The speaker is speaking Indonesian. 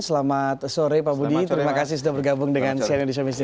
selamat sore pak budi terima kasih sudah bergabung dengan saya yang disini